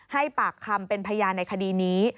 ให้ปากคำเป็นพยานในคดีนี้